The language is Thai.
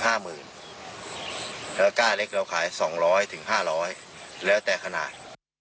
และก้าเล็กยังขาย๒๐๐๕๐๐แล้วแต่ขนาด